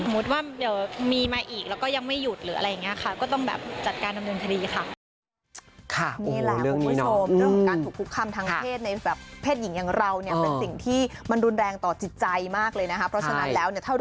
สมมุติว่าเดี๋ยวมีมาอีกแล้วก็ยังไม่หยุดหรืออะไรอย่างนี้ค่ะ